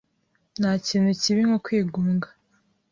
Ntakintu kibi nko kwigunga.